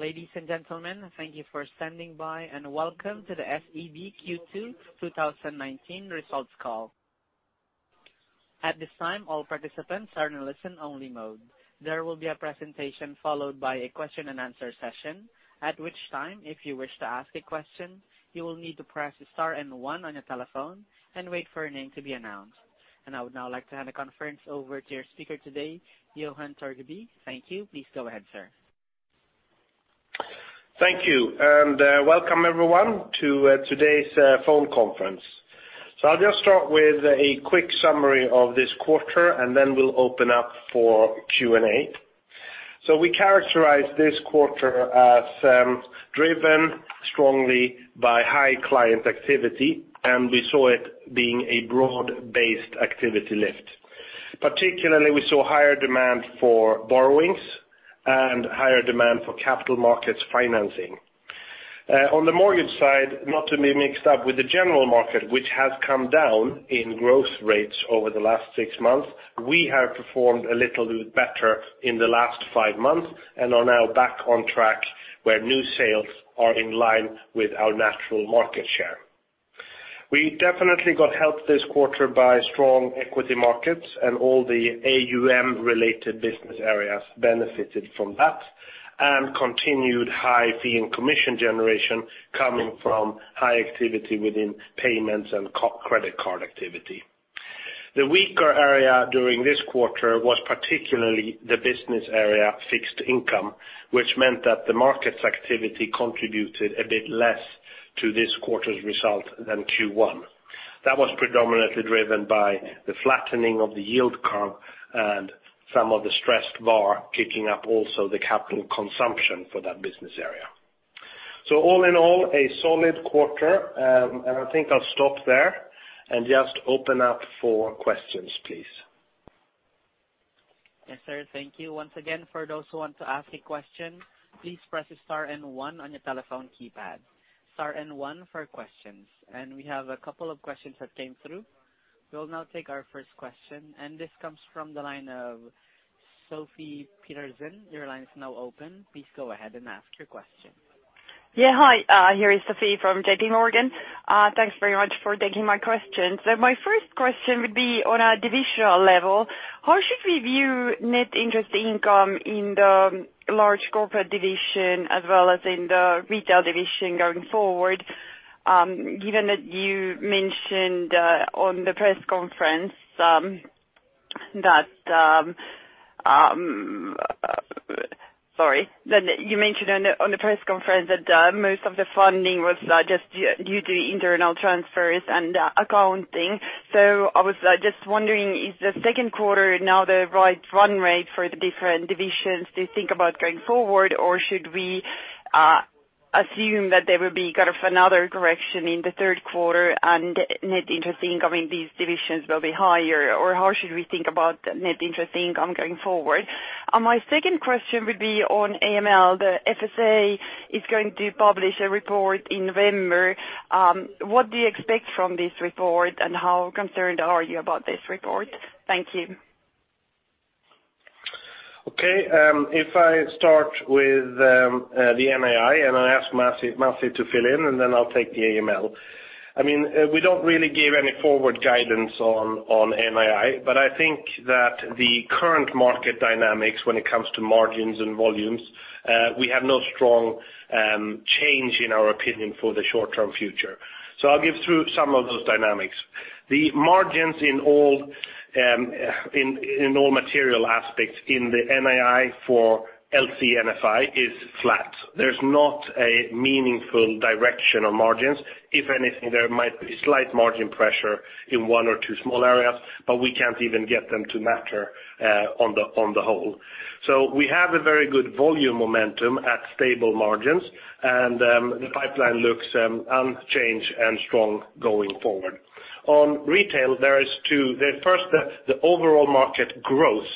Ladies and gentlemen, thank you for standing by. Welcome to the SEB Q2 2019 results call. At this time, all participants are in listen-only mode. There will be a presentation followed by a question-and-answer session, at which time, if you wish to ask a question, you will need to press star and one on your telephone and wait for your name to be announced. I would now like to hand the conference over to your speaker today, Johan Torgeby. Thank you. Please go ahead, sir. Thank you. Welcome everyone to today's phone conference. I'll just start with a quick summary of this quarter, then we'll open up for Q&A. We characterize this quarter as driven strongly by high client activity, we saw it being a broad-based activity lift. Particularly, we saw higher demand for borrowings and higher demand for capital markets financing. On the mortgage side, not to be mixed up with the general market, which has come down in growth rates over the last six months, we have performed a little better in the last five months and are now back on track, where new sales are in line with our natural market share. We definitely got helped this quarter by strong equity markets, all the AUM-related business areas benefited from that, continued high fee and commission generation coming from high activity within payments and credit card activity. The weaker area during this quarter was particularly the business area fixed income, which meant that the markets activity contributed a bit less to this quarter's result than Q1. That was predominantly driven by the flattening of the yield curve and some of the stressed VaR kicking up also the capital consumption for that business area. All in all, a solid quarter. I think I'll stop there and just open up for questions, please. Yes, sir. Thank you. Once again, for those who want to ask a question, please press star and one on your telephone keypad. Star and one for questions. We have a couple of questions that came through. We will now take our first question, and this comes from the line of Sophie Lund-Yates. Your line is now open. Please go ahead and ask your question. Hi, here is Sophie from JPMorgan. Thanks very much for taking my question. My first question would be on a divisional level. How should we view net interest income in the large corporate division as well as in the retail division going forward, given that you mentioned on the press conference that most of the funding was just due to internal transfers and accounting. I was just wondering, is the second quarter now the right run rate for the different divisions to think about going forward? Should we assume that there will be another correction in the third quarter and net interest income in these divisions will be higher? How should we think about net interest income going forward? My second question would be on AML. The FSA is going to publish a report in November. What do you expect from this report, and how concerned are you about this report? Thank you. If I start with the NII, and I'll ask Masih to fill in, and then I'll take the AML. We don't really give any forward guidance on NII, but I think that the current market dynamics when it comes to margins and volumes, we have no strong change in our opinion for the short-term future. I'll give through some of those dynamics. The margins in all material aspects in the NII for LC&FI is flat. There's not a meaningful direction on margins. If anything, there might be slight margin pressure in one or two small areas, but we can't even get them to matter on the whole. We have a very good volume momentum at stable margins, and the pipeline looks unchanged and strong going forward. On retail, there is two. The first, the overall market growth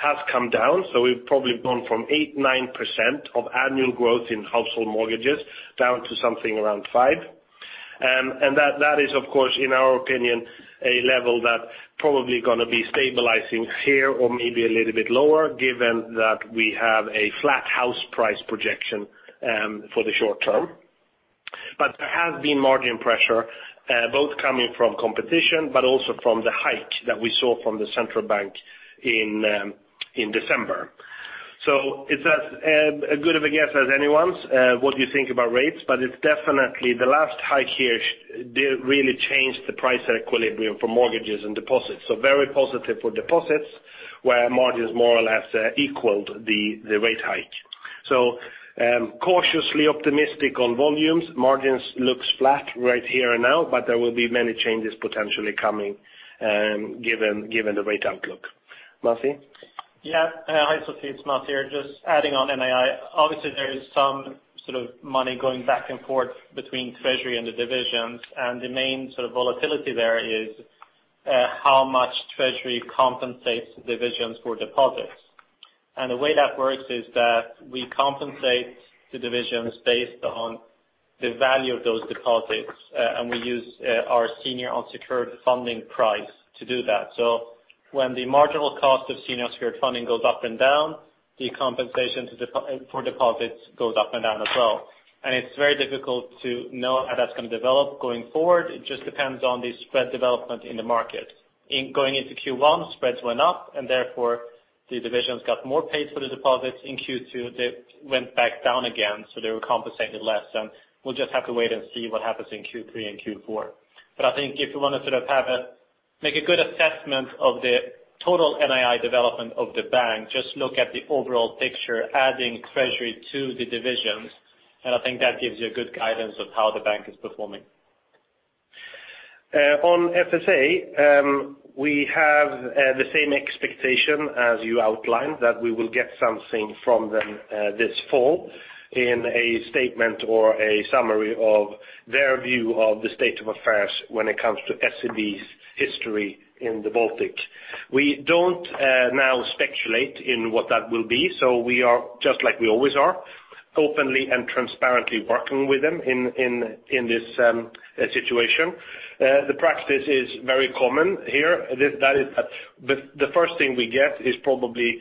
has come down. We've probably gone from 8%, 9% of annual growth in household mortgages down to something around 5%. That is, of course, in our opinion, a level that probably going to be stabilizing here or maybe a little bit lower given that we have a flat house price projection for the short term. There has been margin pressure both coming from competition but also from the hike that we saw from the central bank in December. It's as good of a guess as anyone's what you think about rates, but it's definitely the last hike here did really change the price equilibrium for mortgages and deposits. Very positive for deposits, where margins more or less equaled the rate hike. Cautiously optimistic on volumes. Margins looks flat right here and now, but there will be many changes potentially coming given the rate outlook. Masih? Yeah. Hi, Sophie, it's Masih here. Just adding on NII. Obviously, there is some sort of money going back and forth between Treasury and the divisions, and the main volatility there is how much Treasury compensates divisions for deposits. The way that works is that we compensate the divisions based on the value of those deposits, and we use our senior unsecured funding price to do that. So when the marginal cost of senior secured funding goes up and down, the compensation for deposits goes up and down as well. It's very difficult to know how that's going to develop going forward. It just depends on the spread development in the market. Going into Q1, spreads went up, and therefore, the divisions got more paid for the deposits. Q2, they went back down again, so they were compensated less than. We'll just have to wait and see what happens in Q3 and Q4. I think if you want to make a good assessment of the total NII development of the bank, just look at the overall picture, adding Treasury to the divisions, and I think that gives you a good guidance of how the bank is performing. On FSA, we have the same expectation as you outlined, that we will get something from them this fall in a statement or a summary of their view of the state of affairs when it comes to SEB's history in the Baltic. We don't now speculate in what that will be. We are, just like we always are, openly and transparently working with them in this situation. The practice is very common here. The first thing we get is probably,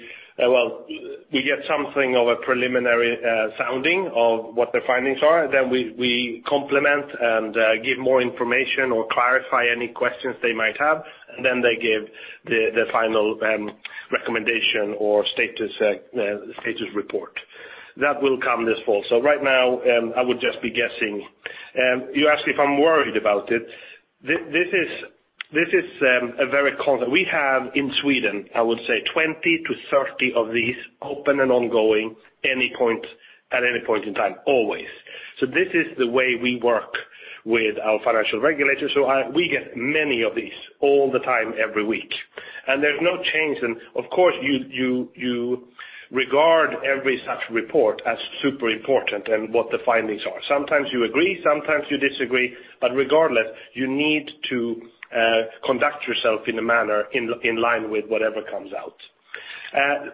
we get something of a preliminary sounding of what their findings are, then we complement and give more information or clarify any questions they might have. They give the final recommendation or status report. That will come this fall. Right now, I would just be guessing. You asked me if I'm worried about it. This is a very common. We have in Sweden, I would say, 20-30 of these open and ongoing at any point in time, always. This is the way we work with our financial regulators, so we get many of these all the time, every week. There's no change in. Of course, you regard every such report as super important and what the findings are. Sometimes you agree, sometimes you disagree, but regardless, you need to conduct yourself in a manner in line with whatever comes out.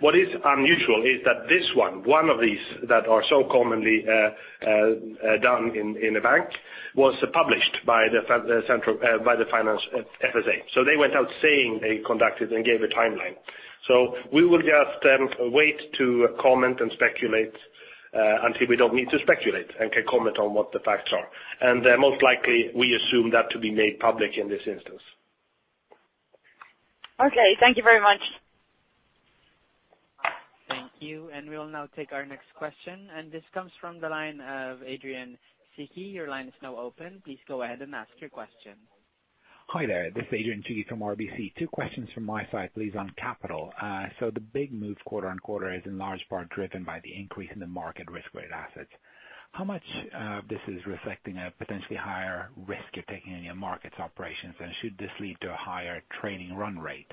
What is unusual is that this one of these that are so commonly done in a bank, was published by the Finance FSA. They went out saying they conducted and gave a timeline. We will just wait to comment and speculate until we don't need to speculate and can comment on what the facts are. Most likely, we assume that to be made public in this instance. Okay. Thank you very much. Thank you. We'll now take our next question, and this comes from the line of Adrian Cighi. Your line is now open. Please go ahead and ask your question. Hi there. This is Adrian Cighi from RBC. Two questions from my side, please, on capital. The big move quarter-on-quarter is in large part driven by the increase in the market Risk-Weighted Assets. How much of this is reflecting a potentially higher risk you're taking in your markets operations, and should this lead to a higher training run rate?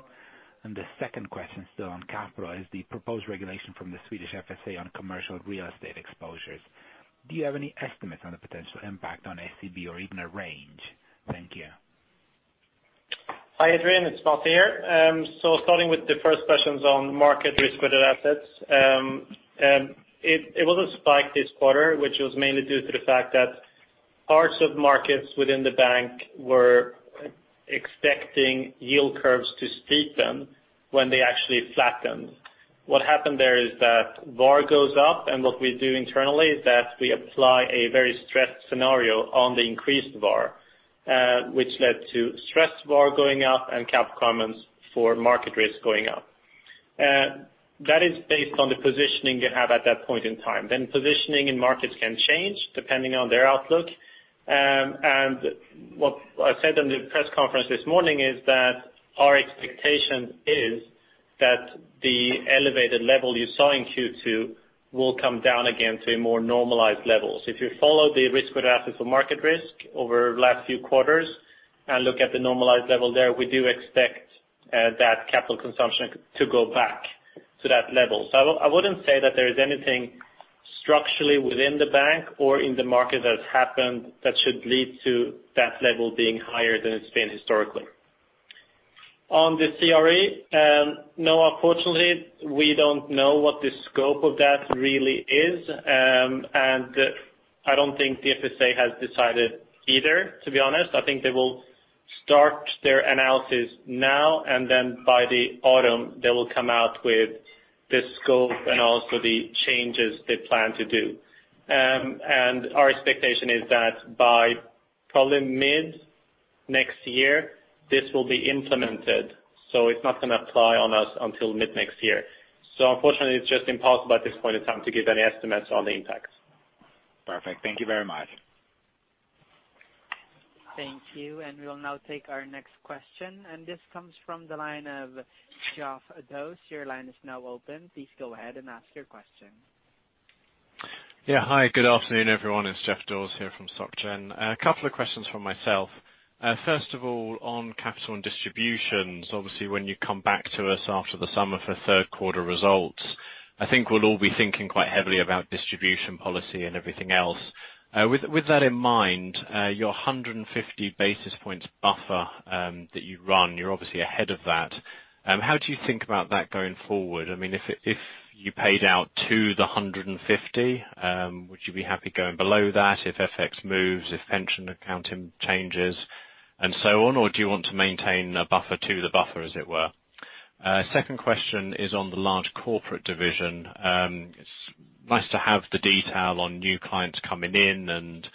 The second question, still on capital, is the proposed regulation from the Swedish FSA on Commercial Real Estate exposures. Do you have any estimates on the potential impact on SEB or even a range? Thank you. Hi, Adrian. It's Masih here. Starting with the first questions on market Risk-Weighted Assets. It was a spike this quarter, which was mainly due to the fact that parts of markets within the bank were expecting yield curves to steepen when they actually flattened. What happened there is that VaR goes up, and what we do internally is that we apply a very stressed scenario on the increased VaR, which led to stressed VaR going up and capital requirements for market risk going up. That is based on the positioning you have at that point in time. Positioning in markets can change depending on their outlook. What I said in the press conference this morning is that our expectation is that the elevated level you saw in Q2 will come down again to more normalized levels. If you follow the Risk-Weighted Assets for market risk over the last few quarters and look at the normalized level there, we do expect that capital consumption to go back to that level. I wouldn't say that there is anything structurally within the bank or in the market that has happened that should lead to that level being higher than it's been historically. On the CRE, no, unfortunately, we don't know what the scope of that really is, and I don't think the FSA has decided either, to be honest. I think they will start their analysis now, and then by the autumn, they will come out with the scope and also the changes they plan to do. Our expectation is that by probably mid-next year, this will be implemented. It's not going to apply on us until mid-next year. Unfortunately, it's just impossible at this point in time to give any estimates on the impact. Perfect. Thank you very much. Thank you. We will now take our next question. This comes from the line of Geoff Dawes. Your line is now open. Please go ahead and ask your question. Yeah. Hi, good afternoon, everyone. It's Geoff Dawes here from Societe Generale. A couple of questions from myself. First of all, on capital and distributions, obviously, when you come back to us after the summer for third quarter results, I think we'll all be thinking quite heavily about distribution policy and everything else. With that in mind, your 150 basis points buffer that you run, you're obviously ahead of that. How do you think about that going forward? If you paid out to the 150, would you be happy going below that if FX moves, if pension accounting changes, and so on, or do you want to maintain a buffer to the buffer, as it were? Second question is on the large corporate division. It's nice to have the detail on new clients coming in and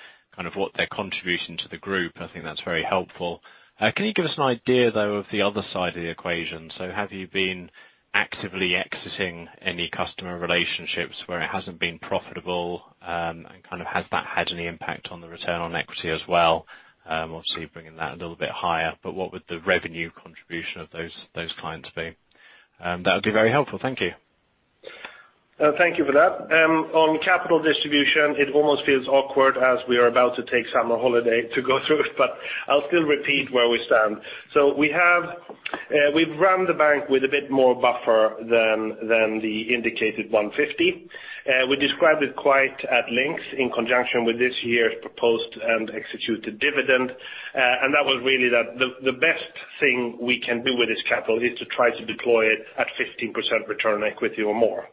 what their contribution to the group. I think that's very helpful. Can you give us an idea, though, of the other side of the equation? Have you been actively exiting any customer relationships where it hasn't been profitable? Has that had any impact on the return on equity as well? Obviously bringing that a little bit higher, but what would the revenue contribution of those clients be? That would be very helpful. Thank you. Thank you for that. On capital distribution, it almost feels awkward as we are about to take summer holiday to go through it, I'll still repeat where we stand. We've run the bank with a bit more buffer than the indicated 150. We described it quite at length in conjunction with this year's proposed and executed dividend. That was really that the best thing we can do with this capital is to try to deploy it at 15% return on equity or more.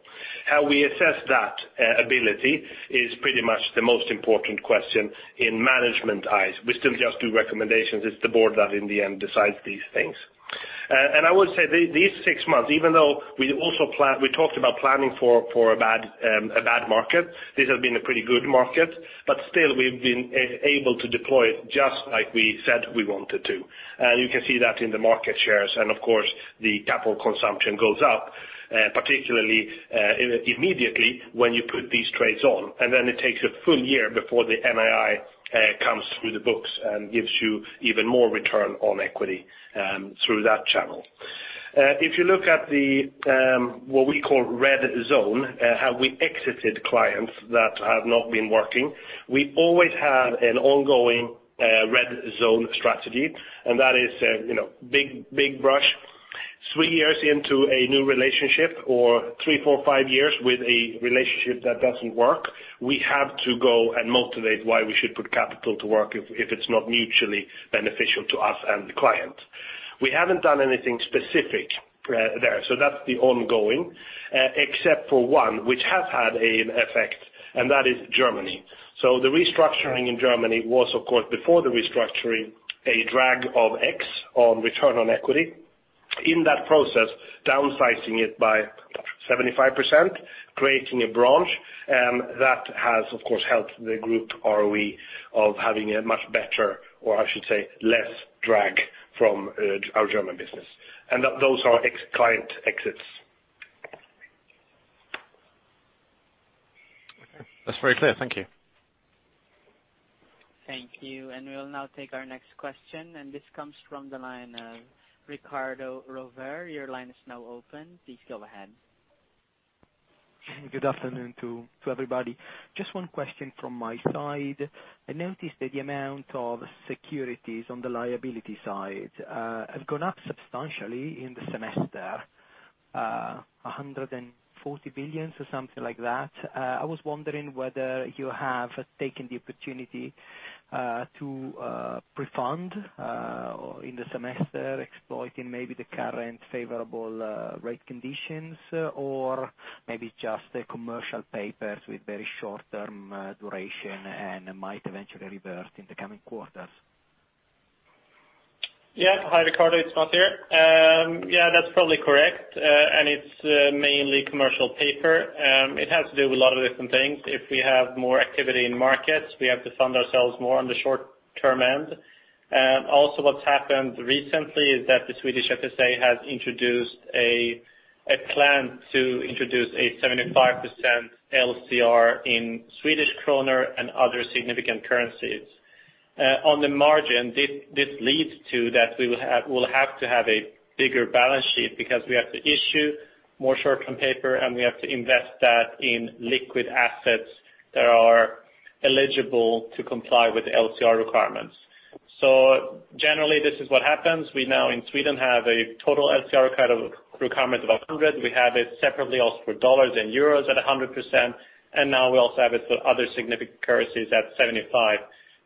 How we assess that ability is pretty much the most important question in management eyes. We still just do recommendations. It's the board that in the end decides these things. I would say these six months, even though we talked about planning for a bad market, this has been a pretty good market. Still we've been able to deploy it just like we said we wanted to. You can see that in the market shares and, of course, the capital consumption goes up, particularly, immediately when you put these trades on. Then it takes a full year before the NII comes through the books and gives you even more return on equity through that channel. If you look at the what we call red zone, how we exited clients that have not been working, we always had an ongoing red zone strategy. That is big brush, three years into a new relationship or three, four, five years with a relationship that doesn't work, we have to go and motivate why we should put capital to work if it's not mutually beneficial to us and the client. We haven't done anything specific there. That's the ongoing. Except for one, which has had an effect, that is Germany. The restructuring in Germany was, of course, before the restructuring, a drag of X on return on equity. In that process, downsizing it by 75%, creating a branch. That has, of course, helped the group ROE of having a much better or I should say, less drag from our German business. Those are client exits. Okay. That's very clear. Thank you. Thank you. We'll now take our next question, this comes from the line of Riccardo Rovere. Your line is now open. Please go ahead. Good afternoon to everybody. Just one question from my side. I noticed that the amount of securities on the liability side has gone up substantially in the semester, 140 billion or something like that. I was wondering whether you have taken the opportunity to pre-fund in the semester, exploiting maybe the current favorable rate conditions or maybe just the commercial papers with very short-term duration and might eventually reverse in the coming quarters. Yeah. Hi, Riccardo. It's Masih here. Yeah, that's probably correct. It's mainly commercial paper. It has to do with a lot of different things. If we have more activity in markets, we have to fund ourselves more on the short-term end. Also, what's happened recently is that the Swedish FSA has introduced a plan to introduce a 75% LCR in Swedish krona and other significant currencies. On the margin, this leads to that we'll have to have a bigger balance sheet because we have to issue more short-term paper, and we have to invest that in liquid assets that are eligible to comply with the LCR requirements. Generally, this is what happens. We now in Sweden have a total LCR requirement of 100%. We have it separately also for dollars and euros at 100%, and now we also have it for other significant currencies at 75%.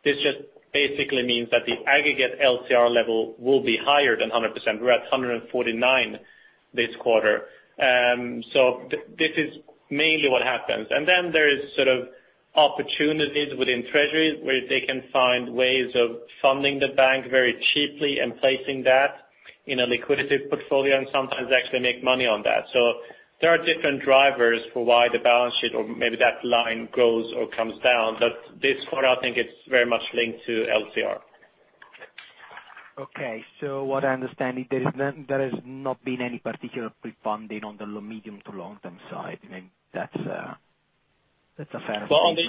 This just basically means that the aggregate LCR level will be higher than 100%. We're at 149% this quarter. This is mainly what happens. There is opportunities within Treasury where they can find ways of funding the bank very cheaply and placing that in a liquidity portfolio and sometimes actually make money on that. There are different drivers for why the balance sheet or maybe that line goes or comes down. This quarter, I think it's very much linked to LCR. Okay. What I understand is there has not been any particular pre-funding on the medium to long-term side. That is a fair point.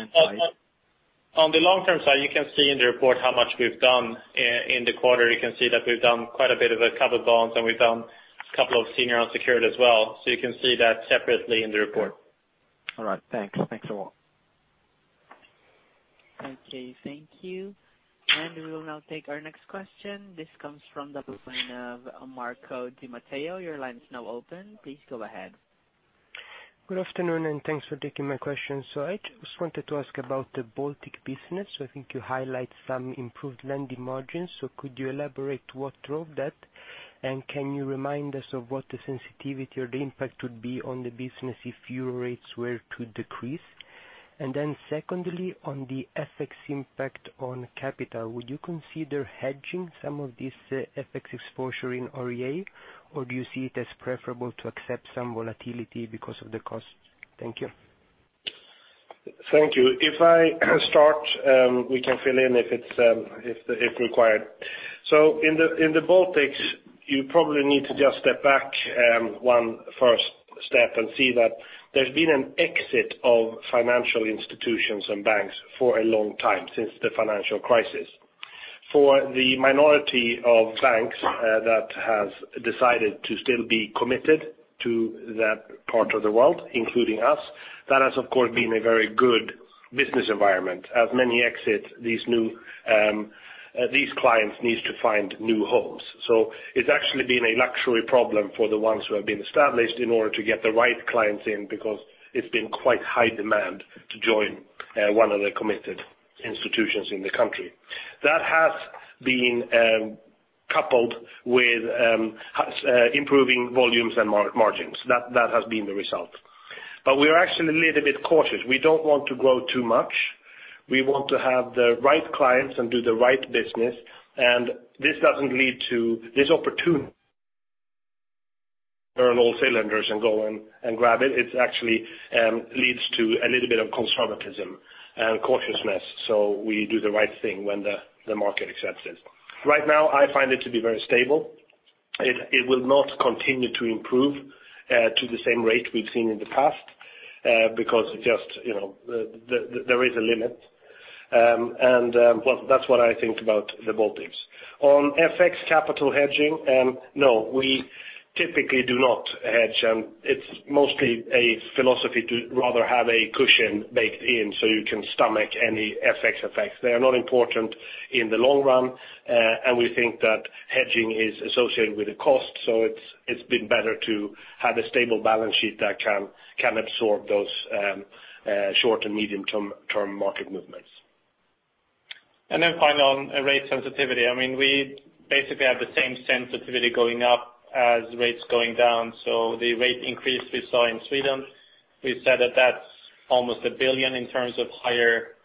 On the long-term side, you can see in the report how much we've done in the quarter. You can see that we've done quite a bit of a couple bonds, and we've done a couple of senior unsecured as well. You can see that separately in the report. All right. Thanks a lot. Okay. Thank you. We will now take our next question. This comes from the line of Marco Di Mateo. Your line is now open. Please go ahead. Good afternoon, and thanks for taking my question. I just wanted to ask about the Baltic business. I think you highlight some improved lending margins. Could you elaborate what drove that? Can you remind us of what the sensitivity or the impact would be on the business if your rates were to decrease? Secondly, on the FX impact on capital, would you consider hedging some of this FX exposure in RWA or do you see it as preferable to accept some volatility because of the cost? Thank you. Thank you. If I start, we can fill in if required. In the Baltics, you probably need to just step back one first step and see that there's been an exit of financial institutions and banks for a long time, since the financial crisis. For the minority of banks that have decided to still be committed to that part of the world, including us, that has, of course, been a very good business environment. As many exit, these clients need to find new homes. It's actually been a luxury problem for the ones who have been established in order to get the right clients in, because it's been quite high demand to join one of the committed institutions in the country. That has been coupled with improving volumes and margins. That has been the result. We are actually a little bit cautious. We don't want to grow too much. We want to have the right clients and do the right business. This doesn't lead to this opportune burn all cylinders and go and grab it. It actually leads to a little bit of conservatism and cautiousness so we do the right thing when the market accepts it. Right now, I find it to be very stable. It will not continue to improve to the same rate we've seen in the past because there is a limit. That's what I think about the Baltics. On FX capital hedging, no, we typically do not hedge. It's mostly a philosophy to rather have a cushion baked in so you can stomach any FX effects. They are not important in the long run, and we think that hedging is associated with the cost. It's been better to have a stable balance sheet that can absorb those short and medium-term market movements. Final on rate sensitivity. We basically have the same sensitivity going up as rates going down. The rate increase we saw in Sweden, we said that that's almost 1 billion in terms of higher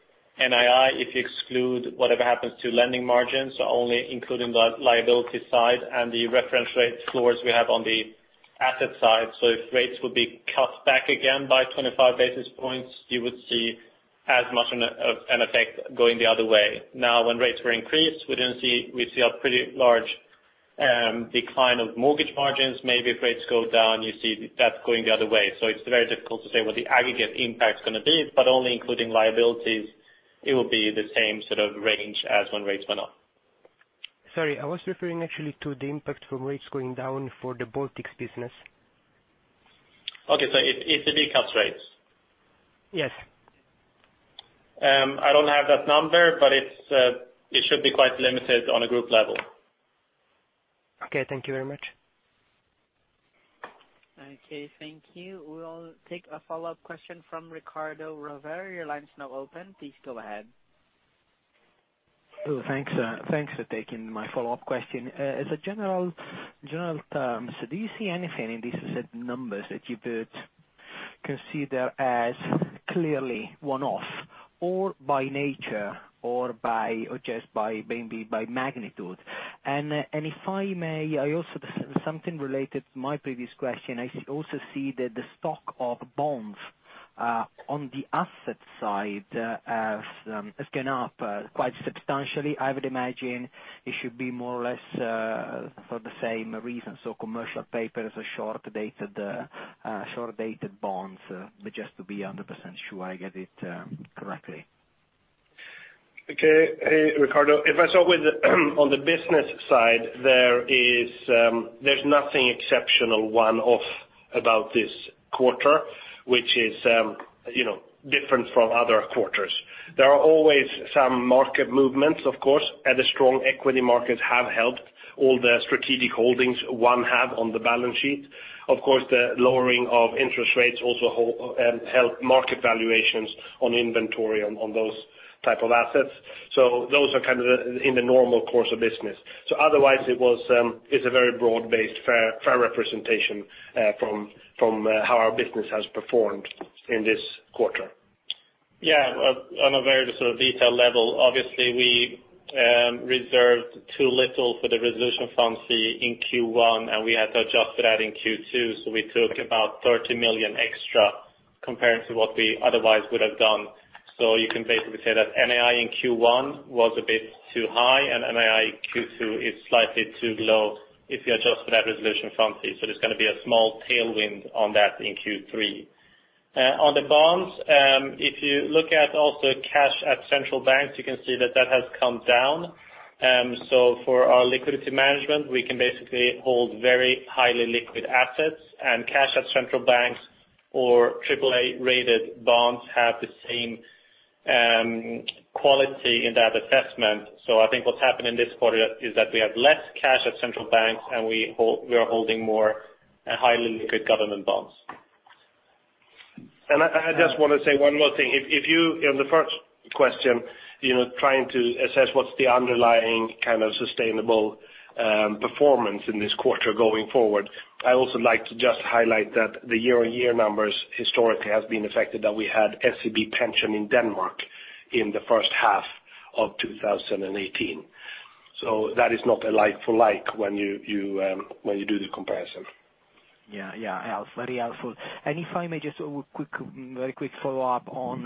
NII, if you exclude whatever happens to lending margins, only including the liability side and the reference rate floors we have on the asset side. If rates would be cut back again by 25 basis points, you would see as much of an effect going the other way. Now, when rates were increased, we see a pretty large decline of mortgage margins. Maybe if rates go down, you see that going the other way. It's very difficult to say what the aggregate impact is going to be, but only including liabilities, it will be the same sort of range as when rates went up. Sorry, I was referring actually to the impact from rates going down for the Baltics business. Okay. It's the big cap rates? Yes. I don't have that number, but it should be quite limited on a group level. Okay. Thank you very much. Okay. Thank you. We'll take a follow-up question from Riccardo Rovere. Your line is now open. Please go ahead. Thanks for taking my follow-up question. In general terms, do you see anything in these set of numbers that you would consider as clearly one-off or by nature or just maybe by magnitude? If I may, also something related to my previous question, I also see that the stock of bonds on the asset side has gone up quite substantially. I would imagine it should be more or less for the same reason. Commercial paper is a short-dated bonds. Just to be 100% sure I get it correctly. Okay. Riccardo, if I start with on the business side, there's nothing exceptional one-off about this quarter, which is different from other quarters. There are always some market movements, of course, and the strong equity markets have helped all the strategic holdings one have on the balance sheet. Of course, the lowering of interest rates also helped market valuations on inventory on those type of assets. Those are in the normal course of business. Otherwise, it's a very broad-based, fair representation from how our business has performed in this quarter. On a very detailed level, obviously, we reserved too little for the resolution fund in Q1, and we had to adjust for that in Q2. We took about 30 million extra compared to what we otherwise would have done. You can basically say that NII in Q1 was a bit too high, and NII Q2 is slightly too low if you adjust for that resolution fund fee. There's going to be a small tailwind on that in Q3. On the bonds, if you look at also cash at central banks, you can see that that has come down. For our liquidity management, we can basically hold very highly liquid assets, and cash at central banks or AAA-rated bonds have the same quality in that assessment. I think what's happened in this quarter is that we have less cash at central banks, and we are holding more highly liquid government bonds. I just want to say one more thing. If you, in the first question, are trying to assess what's the underlying sustainable performance in this quarter going forward, I also like to just highlight that the year-on-year numbers historically has been affected, that we had SEB Pension in Denmark in the first half of 2018. That is not a like-for-like when you do the comparison. Very helpful. If I may, just a very quick follow-up on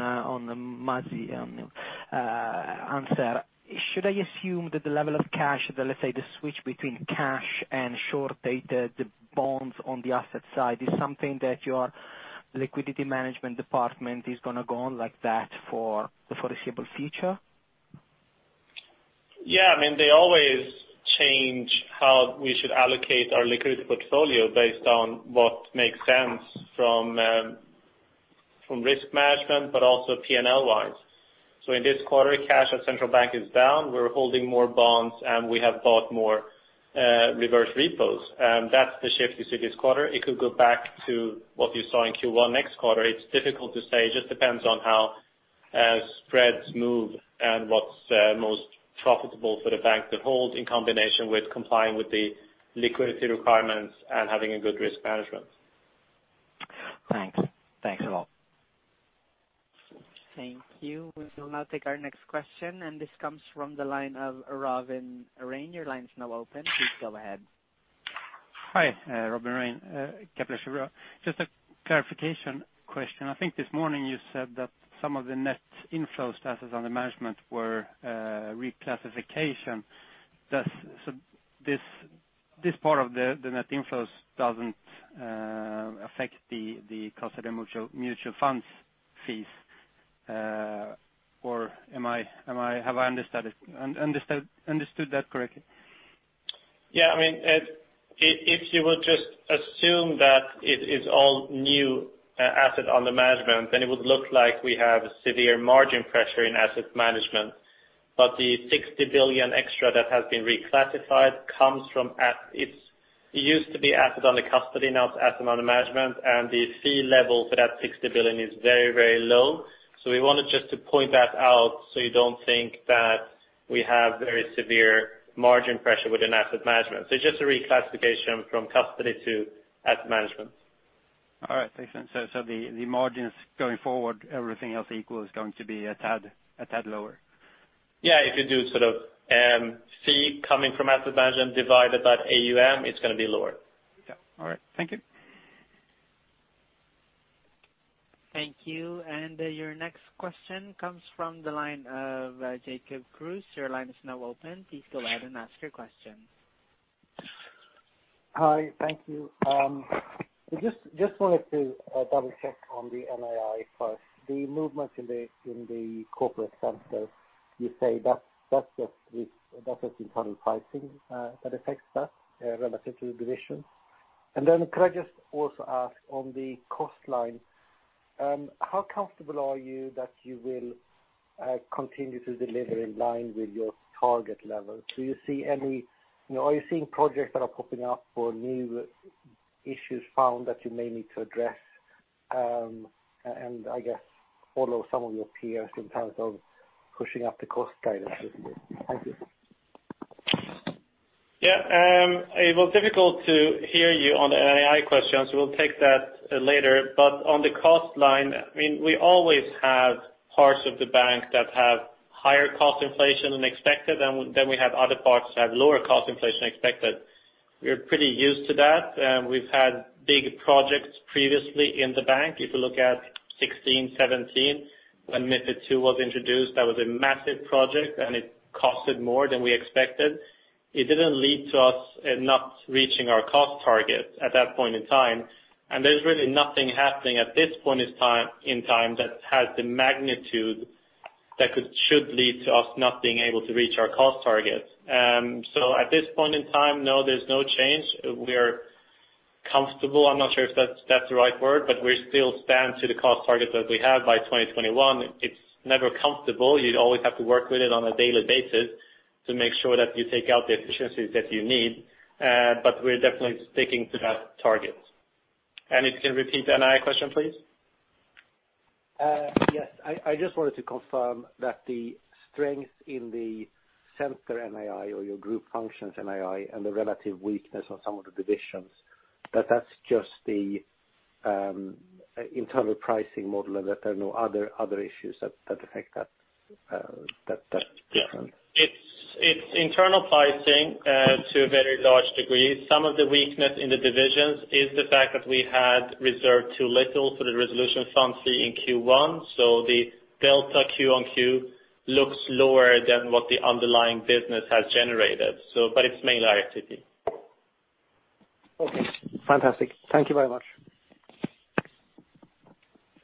Masih's answer. Should I assume that the level of cash, let's say the switch between cash and short-dated bonds on the asset side is something that your liquidity management department is going to go on like that for the foreseeable future? They always change how we should allocate our liquidity portfolio based on what makes sense from risk management, but also P&L-wise. In this quarter, cash at Central Bank is down. We're holding more bonds, and we have bought more reverse repos. That's the shift you see this quarter. It could go back to what you saw in Q1 next quarter. It's difficult to say. It just depends on how spreads move and what's most profitable for the bank to hold in combination with complying with the liquidity requirements and having a good risk management. Thanks a lot. Thank you. We will now take our next question. This comes from the line of Robin Ren. Your line is now open. Please go ahead. Hi. Robin Ren, Kepler Cheuvreux. Just a clarification question. I think this morning you said that some of the net inflows status on the management were reclassification. This part of the net inflows doesn't affect the custody mutual funds fees, have I understood that correctly? Yeah. If you would just assume that it is all new asset under management, then it would look like we have severe margin pressure in asset management. The 60 billion extra that has been reclassified, it used to be asset under custody, now it's asset under management, and the fee level for that 60 billion is very, very low. We wanted just to point that out so you don't think that we have very severe margin pressure within asset management. It's just a reclassification from custody to asset management. All right. Makes sense. The margins going forward, everything else equal, is going to be a tad lower. Yeah, if you do fee coming from asset management divided by AUM, it's going to be lower. Yeah. All right. Thank you. Thank you. Your next question comes from the line of Jacob Kruse. Your line is now open. Please go ahead and ask your question. Hi. Thank you. Just wanted to double-check on the NII first. The movement in the corporate center, you say that's just internal pricing that affects that relative to the division. Then could I just also ask on the cost line, how comfortable are you that you will continue to deliver in line with your target level? Are you seeing projects that are popping up or new issues found that you may need to address, and I guess follow some of your peers in terms of pushing up the cost guidance this year? Thank you. Yeah. It was difficult to hear you on the NII questions. We'll take that later. On the cost line, we always have parts of the bank that have higher cost inflation than expected, then we have other parts that have lower cost inflation expected. We're pretty used to that. We've had big projects previously in the bank. If you look at 2016, 2017, when MiFID II was introduced, that was a massive project, it costed more than we expected. It didn't lead to us not reaching our cost target at that point in time, there's really nothing happening at this point in time that has the magnitude that should lead to us not being able to reach our cost target. At this point in time, no, there's no change. We are comfortable. I'm not sure if that's the right word, we still stand to the cost target that we have by 2021. It's never comfortable. You always have to work with it on a daily basis to make sure that you take out the efficiencies that you need. We're definitely sticking to that target. If you can repeat the NII question, please. Yes. I just wanted to confirm that the strength in the center NII or your group functions NII and the relative weakness on some of the divisions, that's just the internal pricing model and that there are no other issues that affect that different. Yeah. It's internal pricing to a very large degree. Some of the weakness in the divisions is the fact that we had reserved too little for the resolution fund fee in Q1. The delta Q on Q looks lower than what the underlying business has generated. It's mainly activity. Okay, fantastic. Thank you very much.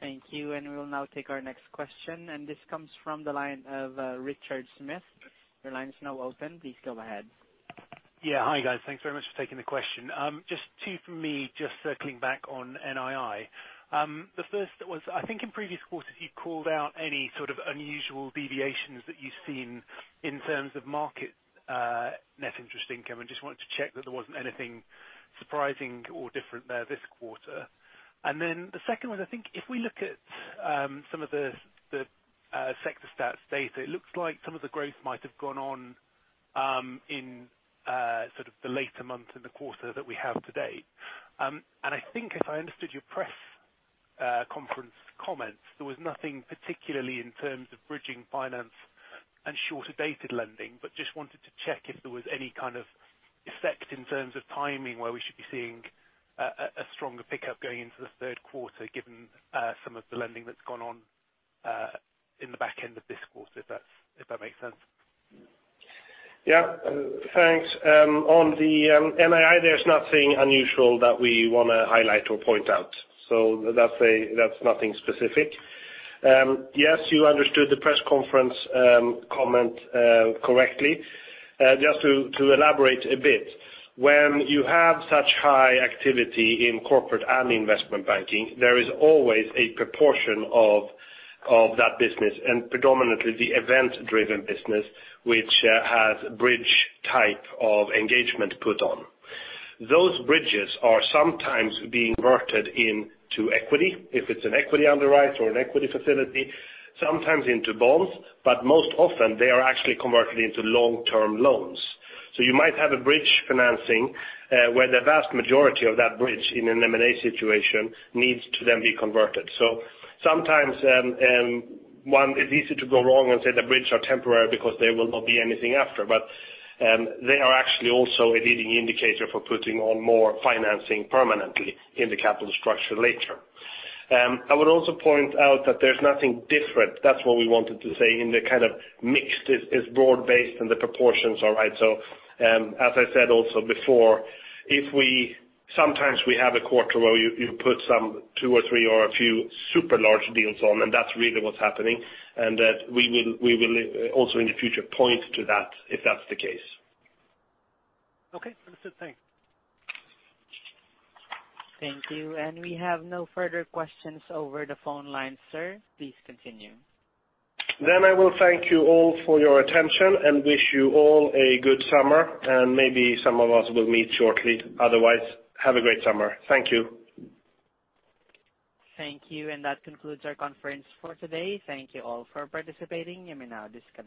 Thank you. We will now take our next question, and this comes from the line of Richard Smith. Your line is now open. Please go ahead. Hi, guys. Thanks very much for taking the question. Just two from me, just circling back on NII. The first was, I think in previous quarters, you called out any sort of unusual deviations that you've seen in terms of market net interest income. Just wanted to check that there wasn't anything Surprising or different there this quarter. Then the second one, I think if we look at some of the sector stats data, it looks like some of the growth might have gone on in sort of the later months in the quarter that we have to date. I think if I understood your press conference comments, there was nothing particularly in terms of bridging finance and shorter-dated lending. Just wanted to check if there was any kind of effect in terms of timing where we should be seeing a stronger pickup going into the third quarter, given some of the lending that's gone on in the back end of this quarter, if that makes sense. Thanks. On the NII, there's nothing unusual that we want to highlight or point out. That's nothing specific. Yes, you understood the press conference comment correctly. Just to elaborate a bit, when you have such high activity in corporate and investment banking, there is always a proportion of that business, and predominantly the event-driven business, which has bridge type of engagement put on. Those bridges are sometimes being converted into equity, if it's an equity underwrite or an equity facility, sometimes into bonds, but most often they are actually converted into long-term loans. You might have a bridge financing where the vast majority of that bridge in an M&A situation needs to then be converted. Sometimes it's easy to go wrong and say the bridges are temporary because there will not be anything after. They are actually also a leading indicator for putting on more financing permanently in the capital structure later. I would also point out that there's nothing different. That's what we wanted to say in the kind of mix is broad based and the proportions all right. As I said also before, sometimes we have a quarter where you put some two or three or a few super large deals on. That's really what's happening. That we will also in the future point to that if that's the case. Okay. Understood. Thanks. Thank you. We have no further questions over the phone line, sir. Please continue. I will thank you all for your attention and wish you all a good summer, and maybe some of us will meet shortly. Otherwise, have a great summer. Thank you. Thank you. That concludes our conference for today. Thank you all for participating. You may now disconnect.